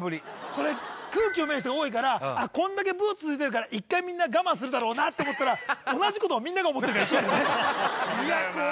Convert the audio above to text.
これ空気読める人が多いからこんだけブー続いてるから１回みんな我慢するだろうなって思ったら同じことをみんなが思ってるからいくんだよね